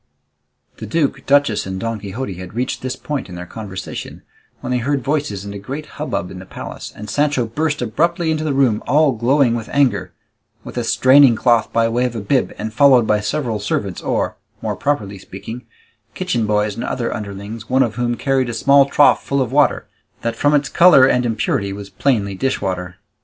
The duke, duchess, and Don Quixote had reached this point in their conversation, when they heard voices and a great hubbub in the palace, and Sancho burst abruptly into the room all glowing with anger, with a straining cloth by way of a bib, and followed by several servants, or, more properly speaking, kitchen boys and other underlings, one of whom carried a small trough full of water, that from its colour and impurity was plainly dishwater.